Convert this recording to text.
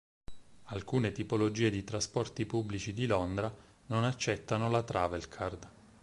Alcune tipologie di trasporti pubblici di Londra non accettano la Travelcard.